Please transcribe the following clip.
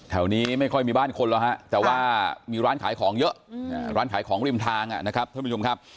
ไม่ค่อยมีบ้านคนแล้วฮะแต่ว่ามีร้านขายของเยอะร้านขายของริมทางนะครับท่านผู้ชมครับ